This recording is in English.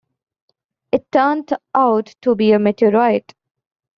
It turned out to be a meteorite.